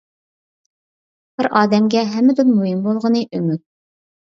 بىر ئادەمگە ھەممىدىن مۇھىم بولغىنى ئۈمىد.